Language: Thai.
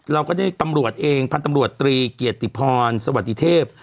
เราก็ได้มีตำรวจเองพตตรีเกียรติพรสวัสดีเทพ